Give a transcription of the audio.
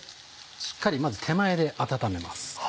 しっかりまず手前で温めます。